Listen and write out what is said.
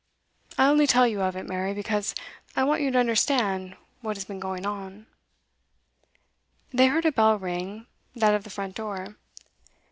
I only tell you of it, Mary, because I want you to understand what has been going on.' They heard a bell ring; that of the front door.